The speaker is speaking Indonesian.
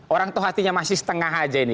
orang tuh hatinya masih setengah aja ini